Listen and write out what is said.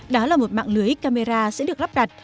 đó là một mạng lưới camera sẽ được lắp đặt